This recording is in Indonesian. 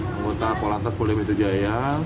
anggota polri atlantis paul d'ametro jaya